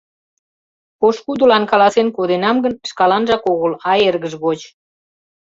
Пошкудылан каласен коденам гын, шкаланжак огыл, а эргыж гоч...